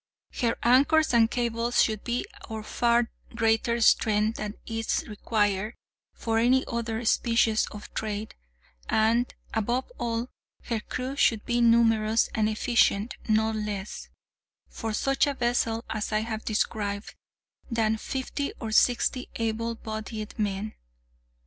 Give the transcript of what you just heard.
Her anchors and cables should be of far greater strength than is required for any other species of trade, and, above all, her crew should be numerous and efficient—not less, for such a vessel as I have described, than fifty or sixty able bodied men.